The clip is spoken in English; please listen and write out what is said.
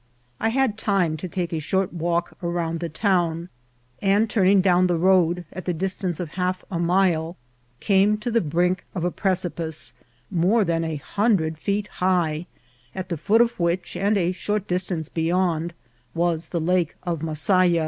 I had time to take a short walk around the town, and turning down the road, at the distance of half a mile came to the brink of a precipice, more than a hundred feet high, at the foot of which, and a short distance be yond, was the Lake of Masaya.